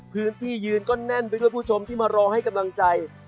พื้นที่ยืนก็แน่นไปด้วยผู้ชมที่มารอให้กำลังใจ